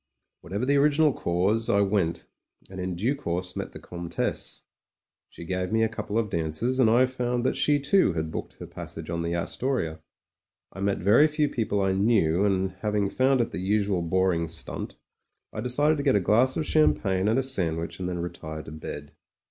Whatever the original cause — I went: and in due course met the Comtesse. She gave me a couple of dances, and I found that she, too, had booked her passage on the Astoria. I met very few people I knew, and having found it the usual boring stimt, I decided to get a glass of champagne and a sandwich 86 MEN, WOMEN AND GUNS and then retire to bed.